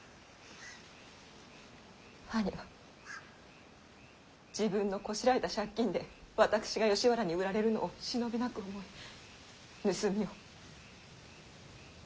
兄は自分のこしらえた借金で私が吉原に売られるのを忍びなく思い盗みを。